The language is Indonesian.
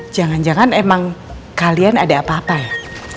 jangan jangan emang kalian ada apa apa ya